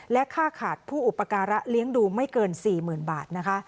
และค่าขาดผู้อุปการะเลี้ยงดูไม่เกิน๔หมื่นบาท